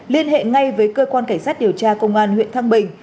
liên hệ ngay với cơ quan cảnh sát điều tra công an huyện thăng bình